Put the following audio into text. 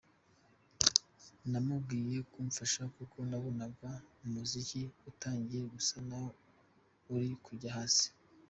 Namubwiye kumfasha kuko nabonaga umuziki utangiye gusa naho uri kujya hasi.